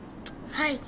はい。